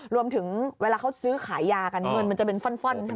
เวลาเขาซื้อขายยากันเงินมันจะเป็นฟ่อนใช่ไหม